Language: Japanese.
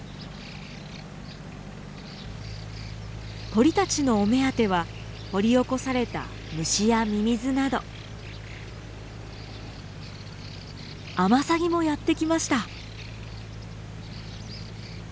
鳥たちのお目当ては掘り起こされた虫やミミズなど。もやって来ました。